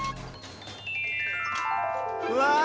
うわ！